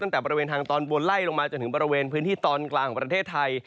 ตั้งแต่บริเวณทางตอนบนไล่ลงมาจนถึงบริเวณพื้นที่ตอนกลางของประเทศไทย